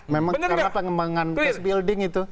memang karena pengembangan face building itu